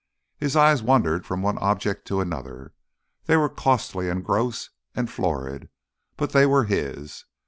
His eye wandered from one object to another. They were costly and gross and florid but they were his.